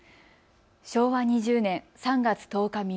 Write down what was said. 昭和２０年３月１０日